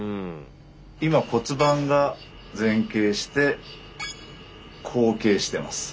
今骨盤が前傾して後傾しています。